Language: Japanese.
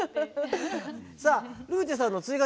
さあルーチェさんの追加